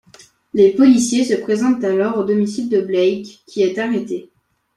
Les policiers se présentent alors au domicile de Blake, qui est arrêté.